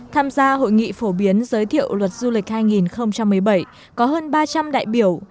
tham gia hội nghị phổ biến giới thiệu luật du lịch hai nghìn một mươi bảy có hơn ba trăm linh đại biểu